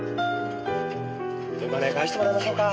お金返してもらいましょうか。